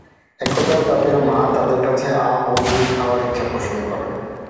একদা তাদের মা তাদের কাছে আম ও দুধ খাওয়ার ইচ্ছা পোষণ করে।